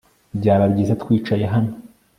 Byaba byiza twicaye hano